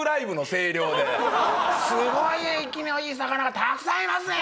「すごい生きのいい魚がたくさんいますね！」